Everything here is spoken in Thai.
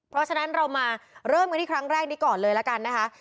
เพราะฉะนั้นเรามาเริ่มกันที่ครั้งแรกนี้ก่อนเลยละกันนะคะ